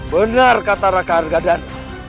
benar kata raka raka dan